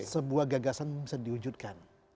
sebuah gagasan bisa diwujudkan